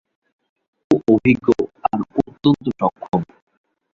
ও অভিজ্ঞ আর অত্যন্ত সক্ষম।